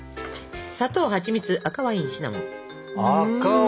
砂糖はちみつ赤ワインシナモン！